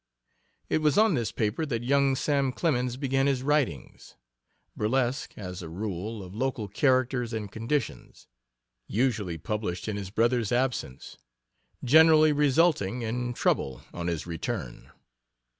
It was on this paper that young Sam Clemens began his writings burlesque, as a rule, of local characters and conditions usually published in his brother's absence; generally resulting in trouble on his return.